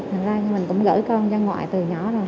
thành ra mình cũng gửi con ra ngoại từ nhỏ rồi